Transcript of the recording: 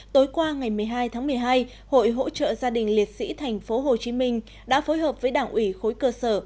tối qua ngày một mươi hai tháng một mươi hai hội hỗ trợ gia đình liệt sĩ thành phố hồ chí minh đã phối hợp với đảng ủy khối cơ sở